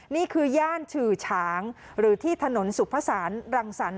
นี่คือย่านฉือฉางหรือที่ถนนสุภาษารังสรรค